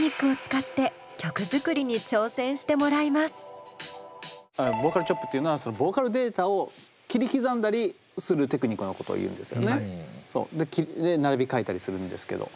今回はボーカルチョップっていうのはそのボーカルデータを切り刻んだりするテクニックのことをいうんですよね。で並べ替えたりするんですけど。